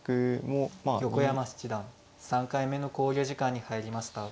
横山七段３回目の考慮時間に入りました。